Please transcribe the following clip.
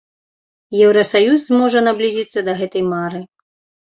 Еўрасаюз зможа наблізіцца да гэтай мары.